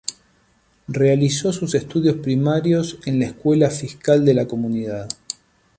Realizó sus estudios primarios en la Escuela Fiscal de la Comunidad.